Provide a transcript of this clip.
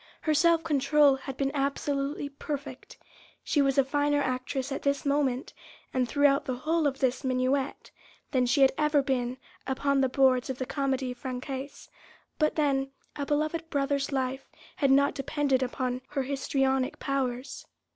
Her self control had been absolutely perfect—she was a finer actress at this moment, and throughout the whole of this minuet, than she had ever been upon the boards of the Comédie Française; but then, a beloved brother's life had not depended upon her histrionic powers.